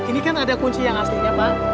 ini kan ada kunci yang aslinya pak